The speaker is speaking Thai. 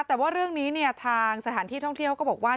แต่ว่าเรื่องนี้เนี่ยทางสถานที่ท่องเที่ยวเขาก็บอกว่า